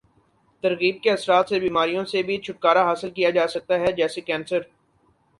ترغیب کے اثرات سے بیماریوں سے بھی چھٹکارا حاصل کیا جاسکتا ہے جیسے کینسر